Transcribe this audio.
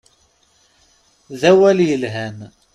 D awal yelhan.